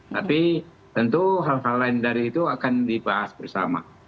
tapi tentu hal hal lain dari itu akan dibahas bersama